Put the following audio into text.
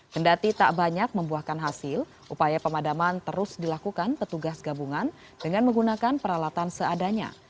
kendati tak banyak membuahkan hasil upaya pemadaman terus dilakukan petugas gabungan dengan menggunakan peralatan seadanya